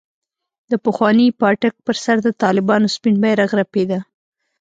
د پخواني پاټک پر سر د طالبانو سپين بيرغ رپېده.